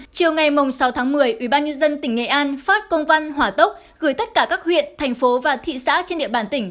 chiều ngày sáu tháng một mươi ubnd tỉnh nghệ an phát công văn hỏa tốc gửi tất cả các huyện thành phố và thị xã trên địa bàn tỉnh